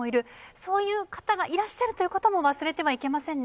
そういう方がいらっしゃるということも忘れてはいけませんね。